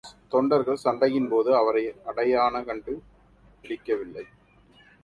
தொண்டர்கள், சண்டையின்போது அவரை அடையான, கண்டு பிடிக்கவில்லை.